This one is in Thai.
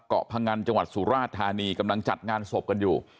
เกาะพงันจังหวัดสุราชธานีกำลังจัดงานศพกันอยู่